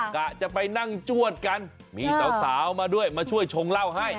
กะจะไปนั่งจวดกันมีสาวมาด้วยมาช่วยชงเหล้าให้